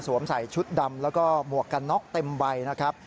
ใส่ชุดดำแล้วก็หมวกกันน็อกเต็มใบนะครับ